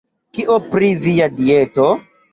Kio pri via dieto?